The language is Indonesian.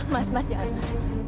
mas mas jangan mas